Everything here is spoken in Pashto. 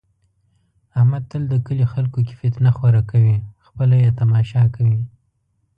احمد تل د کلي خلکو کې فتنه خوره کوي، خپله یې تماشا کوي.